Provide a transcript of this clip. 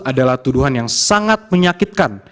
adalah tuduhan yang sangat menyakitkan